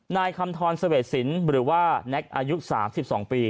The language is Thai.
๒นายคำธรเสวดศิลป์อายุ๓๒ปี